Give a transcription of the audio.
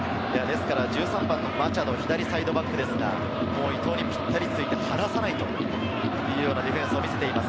マチャド、左サイドバックですが、もう伊東にぴったりついて離さないというようなディフェンスを見せています。